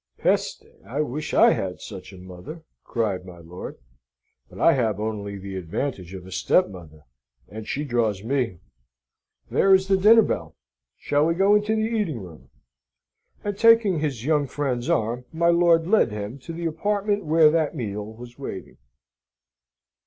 "Peste! I wish I had such a mother!" cried my lord. "But I have only the advantage of a stepmother, and she draws me. There is the dinner bell. Shall we go into the eating room?" And taking his young friend's arm, my lord led him to the apartment where that meal was waiting.